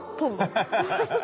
ハハハハ。